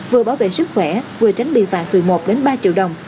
vừa bảo vệ sức khỏe vừa tránh bị phạt từ một đến ba triệu đồng